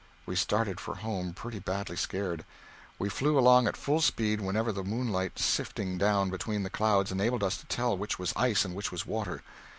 We started for home, pretty badly scared. We flew along at full speed whenever the moonlight sifting down between the clouds enabled us to tell which was ice and which was water.